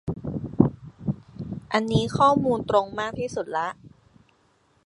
อันนี้ข้อมูลตรงมากที่สุดละ